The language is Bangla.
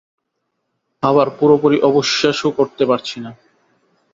আবার পুরোপুরি অবিশ্বাসও করতে পারছি না।